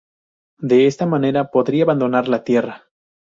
De esta manera podría abandonar la Tierra.